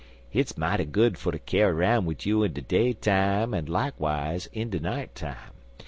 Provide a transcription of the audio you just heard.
Hit's mighty good fer ter kyar' 'roun' wid you in de day time an' likewise in de night time.